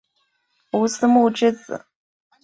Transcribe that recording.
吴思穆之子。